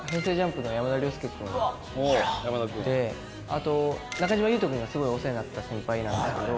ＪＵＭＰの山田涼介君であと中島裕翔君がすごいお世話になった先輩なんですけど。